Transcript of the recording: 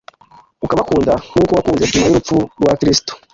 ukabakunda nk’uko wankunze. »Nyuma y’urupfu rwa Kristo,